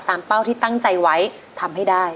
เป้าที่ตั้งใจไว้ทำให้ได้